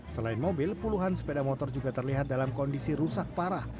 selain mobil puluhan sepeda motor juga terlihat dalam kondisi rusak parah